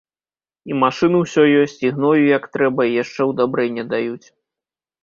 І машыны ўсё ёсць, і гною як трэба, і яшчэ ўдабрэння даюць.